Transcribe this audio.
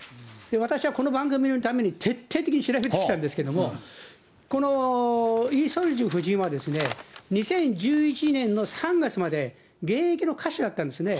私はこの番組のために徹底的に調べてきたんですけど、このイ・ソルジュ夫人は２０１１年の３月まで、現役の歌手だったんですね。